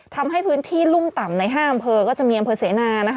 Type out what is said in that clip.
ทำให้พื้นที่รุ่มต่ำใน๕อำเภอก็จะมีอำเภอเสนานะคะ